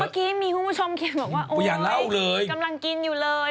เมื่อกี้มีผู้ชมเขียนว่าโอ้ยกำลังกินอยู่เลย